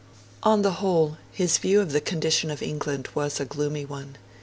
On the whole, his view of the condition of England was a gloomy one.